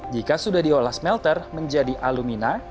jika sudah diolah smelter menjadi alumina